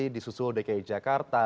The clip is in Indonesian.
di susul dki jakarta